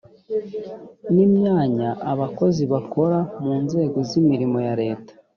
ni imyanya abakozi bakora mu nzego z imirimo ya leta